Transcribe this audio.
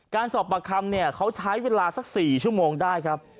การสอบปากคำเนี่ยเขาใช้เวลาสัก๔ชั่วโมงได้ครับ